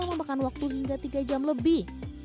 bagi yang memakan waktu hingga tiga jam lebih